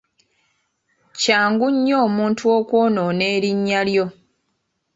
Kyangu nnyo omuntu okwonoona erinnya lyo.